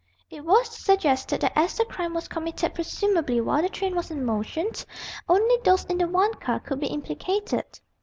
It was suggested that as the crime was committed presumably while the train was in motion, only those in the one car could be implicated.